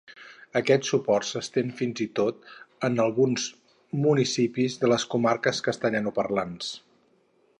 Aquest suport s’estén fins i tot en alguns municipis de les comarques castellanoparlants.